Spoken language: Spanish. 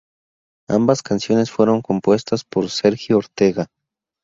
Ambas canciones fueron compuestas por Sergio Ortega.